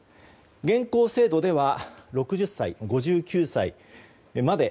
現行制度では６０歳、５９歳まで